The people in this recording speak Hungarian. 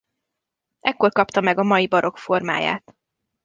Ekkor kapta meg a mai barokk formáját.